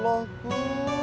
maaf ada kegemaran anxious